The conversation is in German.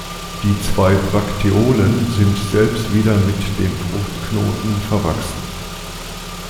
Die zwei Brakteolen sind selbst wieder mit dem Fruchtknoten verwachsen.